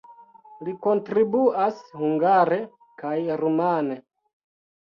Li kontribuas hungare kaj rumane.